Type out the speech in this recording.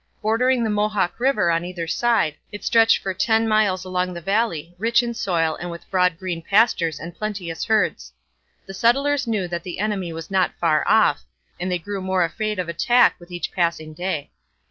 Bordering the Mohawk river on either side, it stretched for ten miles along the valley, rich in soil, and with broad green pastures and plenteous herds. The settlers knew that the enemy was not far off, and they grew more afraid of attack with each passing day.